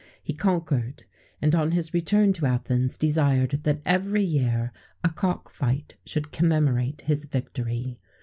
He conquered, and on his return to Athens, desired that every year a cock fight should commemorate his victory.